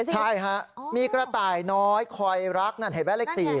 ใช่ฮะมีกระต่ายน้อยคอยรักนั่นเห็นไหมเลข๔